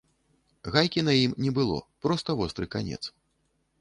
Гайкі на ім не было, проста востры канец.